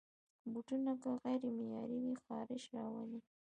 بوټونه که غیر معیاري وي، خارش راولي.